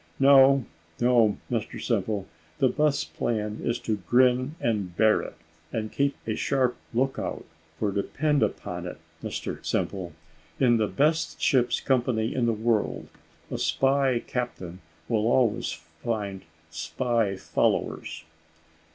No, no, Mr Simple; the best plan is to grin and bear it, and keep a sharp look out; for depend upon it, Mr Simple, in the best ship's company in the world, a spy captain will always find spy followers."